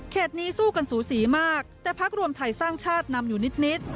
นี้สู้กันสูสีมากแต่พักรวมไทยสร้างชาตินำอยู่นิด